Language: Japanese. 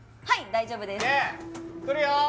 はい大丈夫ですくるよ